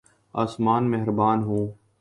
آسمان مہربان ہوں۔